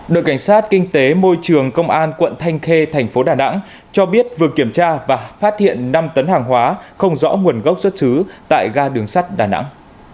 đội cảnh sát kinh tế môi trường công an quận thanh khê thành phố đà nẵng cho biết vừa kiểm tra và phát hiện năm tấn hàng hóa không rõ nguồn gốc xuất xứ tại ga đường sắt đà nẵng